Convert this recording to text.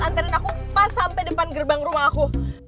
anterin aku pas sampe depan gerbang rumah aku